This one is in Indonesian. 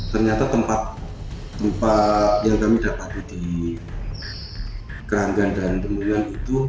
ternyata tempat tempat yang kami dapati di keranggan dan penerian itu